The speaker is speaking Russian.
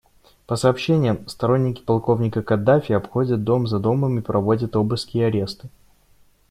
По сообщениям, сторонники полковника Каддафи обходят дом за домом и проводят обыски и аресты.